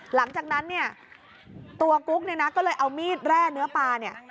หลังจากนั้นเนี่ยตัวกุ๊กเนี่ยนะก็เลยเอามีดแร่เนื้อปลาเนี่ย